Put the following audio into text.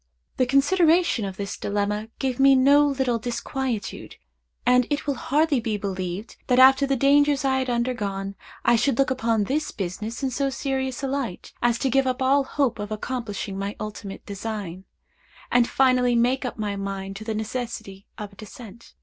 The consideration of this dilemma gave me no little disquietude; and it will hardly be believed, that, after the dangers I had undergone, I should look upon this business in so serious a light, as to give up all hope of accomplishing my ultimate design, and finally make up my mind to the necessity of a descent.